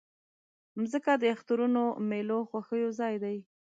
مځکه د اخترونو، میلو، خوښیو ځای ده.